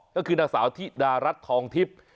ก็คือนางสาวธิดารัฐทองทิพย์